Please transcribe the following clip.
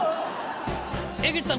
江口さん